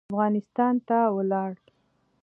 افغانستان ته ولاړ.